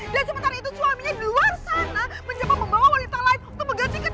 dan sementara itu suaminya di luar sana mencoba membawa wanita lain untuk mengganti posisinya